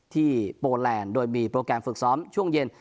โปแลนด์โดยมีโปรแกรมฝึกซ้อมช่วงเย็น